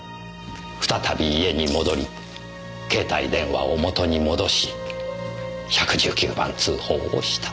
再び家に戻り携帯電話を元に戻し１１９番通報をした。